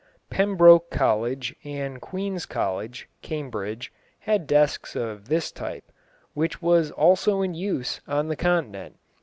Pembroke College and Queens' College, Cambridge, had desks of this type, which was also in use on the Continent.